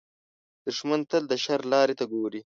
دښمن تل د شر لارې ته ګوري